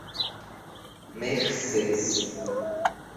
Mercês